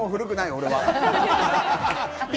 俺は。